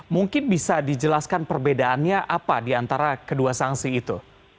mungkin bisa dijelaskan perbedaannya apa di antara kedua sanksi itu